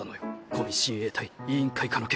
古見親衛隊委員会化の件